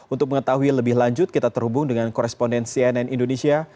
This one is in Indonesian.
untuk mengetahui lebih lanjut kita terhubung dengan koresponden cnn indonesia